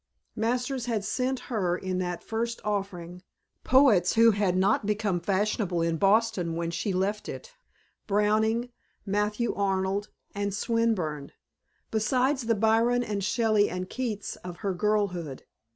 Masters had sent her in that first offering poets who had not become fashionable in Boston when she left it: Browning, Matthew Arnold and Swinburne; besides the Byron and Shelley and Keats of her girlhood.